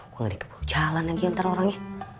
gue gak ada keburu jalan lagi ntar orangnya